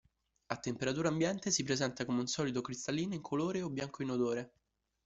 A temperatura ambiente si presenta come un solido cristallino incolore o bianco inodore.